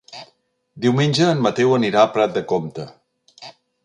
Diumenge en Mateu anirà a Prat de Comte.